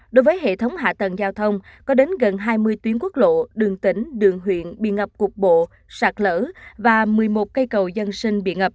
đối với hệ thống hạ tầng giao thông có đến gần hai mươi tuyến quốc lộ đường tỉnh đường huyện bị ngập cục bộ sạt lở và một mươi một cây cầu dân sinh bị ngập